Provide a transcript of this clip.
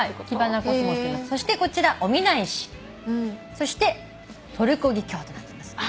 そしてトルコギキョウとなってます。